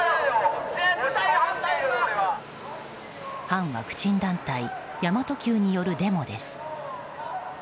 反ワクチン団体神真都Ｑによるデモです。